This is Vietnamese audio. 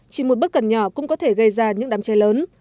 chỉ một bức cẩn nhỏ cũng có thể gây ra những đám cháy lớn